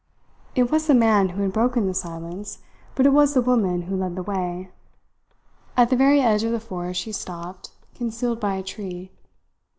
It was the man who had broken the silence, but it was the woman who led the way. At the very edge of the forest she stopped, concealed by a tree.